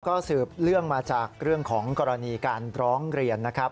ก็สืบเนื่องมาจากเรื่องของกรณีการร้องเรียนนะครับ